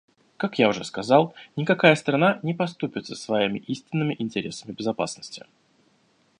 Как я уже сказал, никакая страна не поступится своими истинными интересами безопасности.